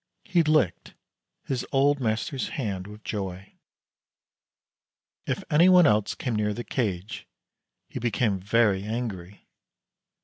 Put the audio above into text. He licked his old master's hand with joy. If anyone else came near the cage he became very angry.